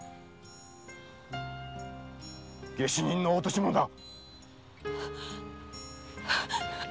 下手人の落とし物だ！